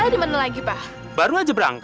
jangan bersikap nolak